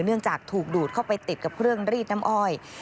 เนื่องจากถูกดูดเข้าไปติดกับเครื่องรีดน้ำอ้อย